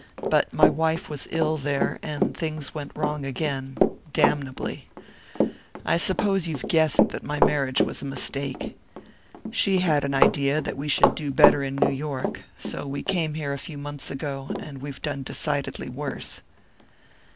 But my wife was ill there, and things went wrong again damnably. I suppose you've guessed that my marriage was a mistake. She had an idea that we should do better in New York so we came here a few months ago, and we've done decidedly worse."